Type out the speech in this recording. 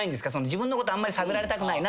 自分のことあんまり探られたくないなみたいな。